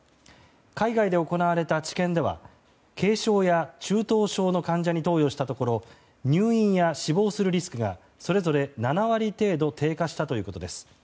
海外で行われた治験では軽症や中等症の患者に投与したところ入院や死亡するリスクがそれぞれ７割程度低下したということです。